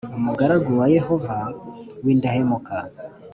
Umugaragu wa yehova w’indahemuka